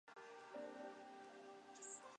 云南高原鳅为鳅科高原鳅属的鱼类。